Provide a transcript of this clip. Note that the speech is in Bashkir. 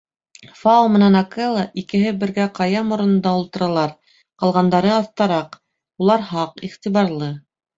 Фао менән Акела икеһе бергә ҡая морононда ултыралар, ҡалғандары — аҫтараҡ, улар һаҡ, иғтибарлы.